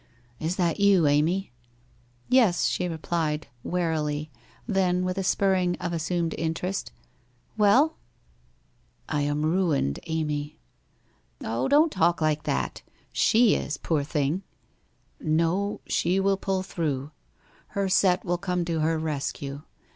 ' Is that you, Amy? '' Yes,' she replied, wearily, then with a spurring of assumed interest, ' Well ?'* I am ruined, Amy.' 'Oh, don't talk like that! She is, poor thing!' 'No, she will pull through. Her set will come to her rescue.